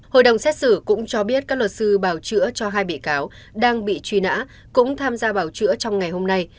hội đồng xét xử cũng cho biết các luật sư bảo chữa cho hai bị cáo đang bị truy nã cũng tham gia bảo chữa trong ngày hôm nay